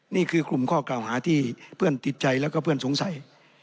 นี่คือกลุ่มข้อกล่าวหาที่เพื่อนติดใจแล้วก็เพื่อนสงสัย